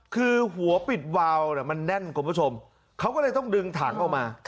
คือหัวปิดวาวมันแน่นคุณผู้ชมเขาก็เลยต้องดึงถังออกมา